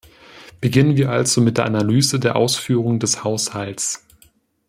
Beginnen wir also mit der Analyse der Ausführung des Haushalts.